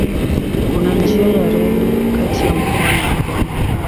Kuna njia ya reli kati ya mkoa na pwani.